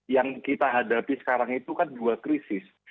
yang kita hadapi sekarang itu kan dua krisis